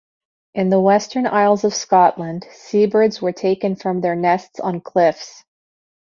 In the Western Isles of Scotland, seabirds were taken from their nests on cliffs.